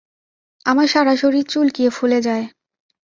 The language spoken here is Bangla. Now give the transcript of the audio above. আমার সারা শরীর চুলকিয়ে ফুলে যায়।